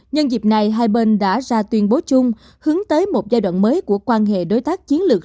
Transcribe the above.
nhân dịp này hai bên đã ra tuyên bố chung hướng tới một giai đoạn mới của quan hệ đối tác chiến lược